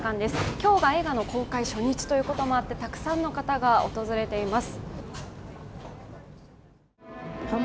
今日が映画の公開初日ということもあって、たくさんの方が訪れています。